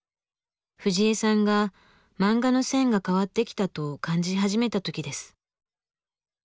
藤江さんが「漫画の線が変わってきた」と感じ始めた時です。